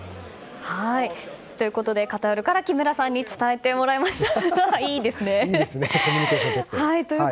カタールから木村さんに伝えてもらいました。